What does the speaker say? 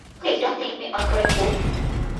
Please don't think me ungrateful.